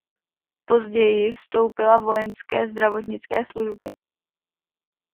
Později vstoupila vojenské zdravotnické služby.